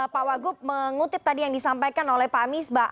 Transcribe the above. pak wagub mengutip tadi yang disampaikan oleh pak misbah